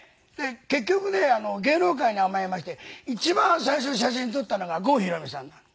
結局ね芸能界に甘えまして一番最初に写真撮ったのが郷ひろみさんなの。